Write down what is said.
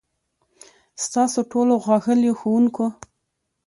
ستاسو ټولو، ښاغليو ښوونکو،